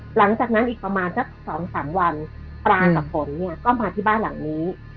หลังจากนั้นอีกประมาณสัก๒๓วันปลากับฝนเนี่ยก็มาที่บ้านหลังนี้